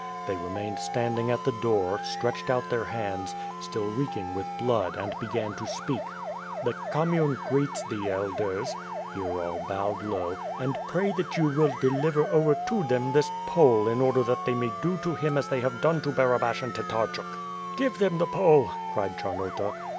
They remained standing at the door, stretched out their hands, still reeking with blood and began to speak: "The commune greets the elders" — here all bowed low, "and pray that you will deliver over to them this Pole in order that they may do to him as they have done to Barabash and Tatarchuk." "Give them the Pole,'* cried Charnota.